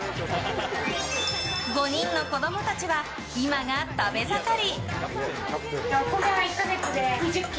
５人の子供たちは今が食べ盛り。